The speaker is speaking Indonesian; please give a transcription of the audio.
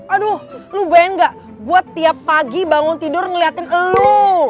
aduh lo bayangin gak gue tiap pagi bangun tidur ngeliatin elu